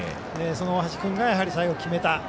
その大橋君が最後決めた。